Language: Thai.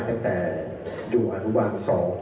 ตั้งแต่อยู่อนุวัน๒